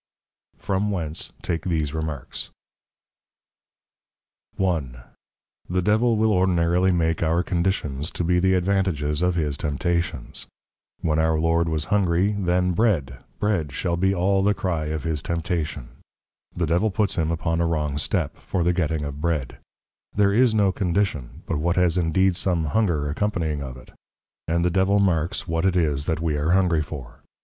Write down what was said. _ From whence, take these Remarks. I. The Devil will ordinarily make our Conditions, to be the Advantages of his Temptations. When our Lord was Hungry, then Bread! Bread! shall be all the Cry of his Temptation; the Devil puts him upon a wrong step, for the getting of Bread. There is no Condition, but what has indeed some Hunger accompanying of it; and the Devil marks what it is, that we are Hungry for.